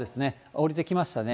下りてきましたね。